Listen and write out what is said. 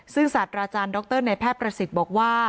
ซึ่งศาสตราจารย์ดรในแพทย์ประสิทธิ์บอกว่า